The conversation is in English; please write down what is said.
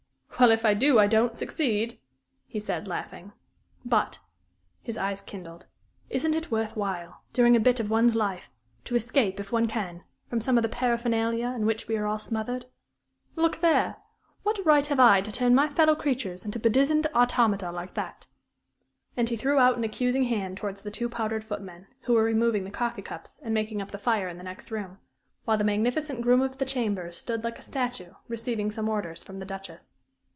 "Well, if I do try, I don't succeed," he said, laughing. "But" his eyes kindled "isn't it worth while, during a bit of one's life, to escape, if one can, from some of the paraphernalia in which we are all smothered? Look there! What right have I to turn my fellow creatures into bedizened automata like that?" And he threw out an accusing hand towards the two powdered footmen, who were removing the coffee cups and making up the fire in the next room, while the magnificent groom of the chambers stood like a statue, receiving some orders from the Duchess.